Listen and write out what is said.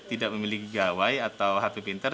tidak memiliki gawai atau hp pinter